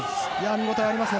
見応えありますね